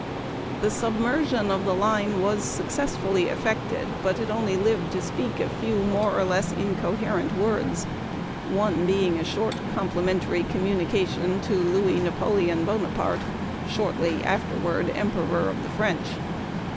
The submersion of the line was successfully effected, but it only lived to speak a few more or less incoherent words one being a short complimentary communication to Louis Napoleon Bonaparte, shortly afterward Emperor of the French.